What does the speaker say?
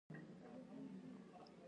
افغانستان کې د دښتې د پرمختګ هڅې روانې دي.